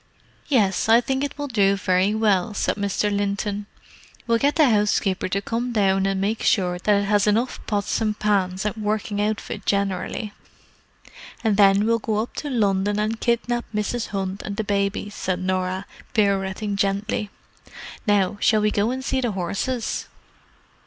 "Yes, I think it will do very well," said Mr. Linton. "We'll get the housekeeper to come down and make sure that it has enough pots and pans and working outfit generally." "And then we'll go up to London and kidnap Mrs. Hunt and the babies," said Norah, pirouetting gently. "Now, shall we go and see the horses?"